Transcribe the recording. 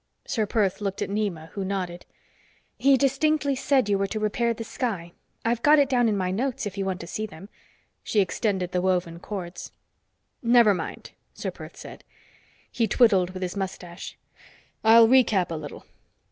Ser Perth looked at Nema, who nodded. "He distinctly said you were to repair the sky. I've got it down in my notes if you want to see them." She extended the woven cords. "Never mind," Ser Perth said. He twiddled with his mustache. "I'll recap a little.